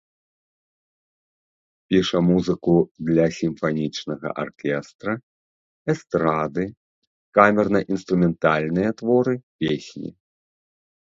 Піша музыку для сімфанічнага аркестра, эстрады, камерна-інструментальныя творы, песні.